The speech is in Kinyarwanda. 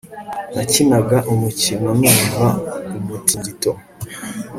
Nakinaga umukino numva umutingito